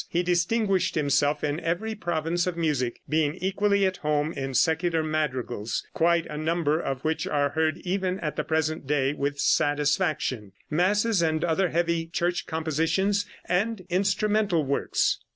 He distinguished himself in every province of music, being equally at home in secular madrigals quite a number of which are heard even at the present day with satisfaction masses and other heavy church compositions, and instrumental works.